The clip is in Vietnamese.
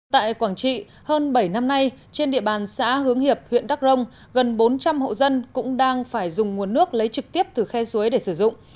tại quảng trị hơn bảy năm nay trên địa bàn xã hướng hiệp huyện đắk rông gần bốn trăm linh hộ dân cũng đang phải dùng nguồn nước lấy trực tiếp từ khe suối để sử dụng